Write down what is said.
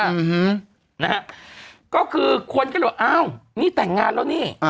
อืมนะฮะก็คือคนก็เลยบอกอ้าวนี่แต่งงานแล้วนี่